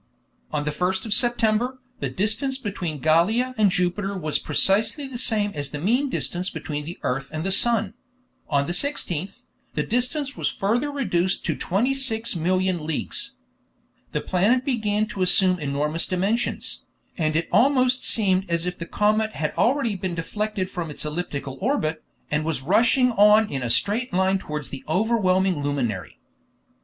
On the 1st of September the distance between Gallia and Jupiter was precisely the same as the mean distance between the earth and the sun; on the 16th, the distance was further reduced to 26,000,000 leagues. The planet began to assume enormous dimensions, and it almost seemed as if the comet had already been deflected from its elliptical orbit, and was rushing on in a straight line towards the overwhelming luminary.